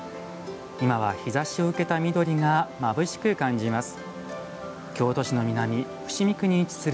今は日ざしを受けた緑がまぶしく感じます。